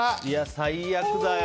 最悪だよ。